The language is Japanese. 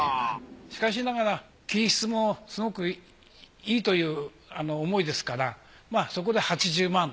しかしながら金質もすごくいいという思いですからそこで８０万。